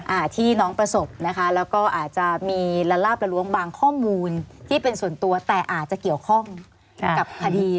อ่าที่น้องประสบนะคะแล้วก็อาจจะมีละลาบละล้วงบางข้อมูลที่เป็นส่วนตัวแต่อาจจะเกี่ยวข้องกับคดี